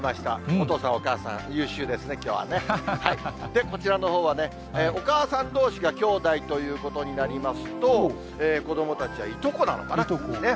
お父さん、お母さん、優秀ですね、きょうはね。こちらのほうはね、お母さんどうしがきょうだいということになりますと、子どもたちはいとこなのかな。